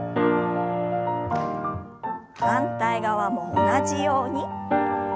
反対側も同じように。